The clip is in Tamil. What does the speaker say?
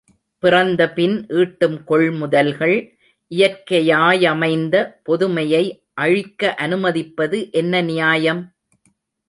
பிறந்தபின் ஈட்டும் கொள்முதல்கள், இயற்கையாயமைந்த பொதுமையை அழிக்க அனுமதிப்பது என்ன நியாயம்?